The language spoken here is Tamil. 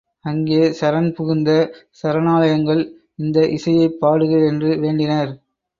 அங்கே சரண்புகுந்த சரணாலயங்கள் இந்த இசையைப் பாடுக என்று வேண்டினர்.